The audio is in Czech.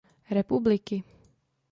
Republiky.